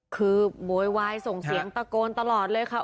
คือโวยวายส่งเสียงตะโกนตลอดเลยค่ะ